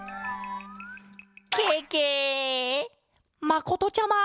まことちゃま！